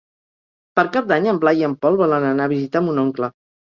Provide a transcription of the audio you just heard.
Per Cap d'Any en Blai i en Pol volen anar a visitar mon oncle.